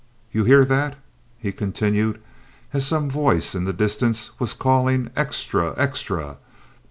You hear that?" he continued, as some voice in the distance was calling "Extra! Extra!"